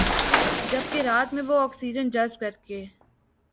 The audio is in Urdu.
جبکہ رات میں وہ آکسیجن جذب کرکے